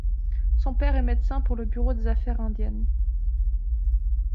Son père est médecin pour le Bureau des affaires indiennes.